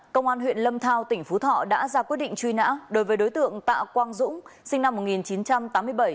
công an huyện lâm thao tỉnh phú thọ đã ra quyết định truy nã đối với đối tượng tạ quang dũng sinh năm một nghìn chín trăm tám mươi bảy